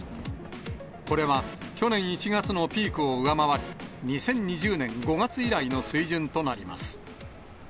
これは去年１月のピークを上回り、２０２０年５月以来の水準となります。